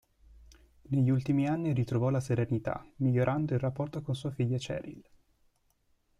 Negli ultimi anni ritrovò la serenità, migliorando il rapporto con sua figlia Cheryl.